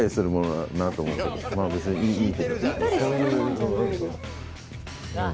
まあ別にいいけど。